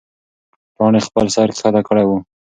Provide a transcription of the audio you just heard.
پاڼې خپل سر ښکته کړی و.